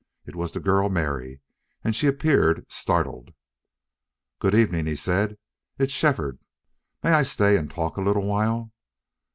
It was the girl Mary, and she appeared startled. "Good evening," he said. "It's Shefford. May I stay and talk a little while?"